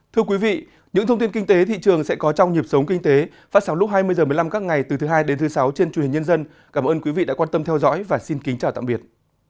thưa quý vị những thông tin kinh tế thị trường sẽ có trong nhịp sống kinh tế phát sóng lúc hai mươi h một mươi năm các ngày từ thứ hai đến thứ sáu trên truyền hình nhân dân cảm ơn quý vị đã quan tâm theo dõi và xin kính chào tạm biệt